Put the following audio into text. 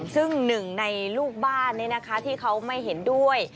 ซึ่งหนึ่งในลูกบ้านที่เขาไม่เห็นด้วย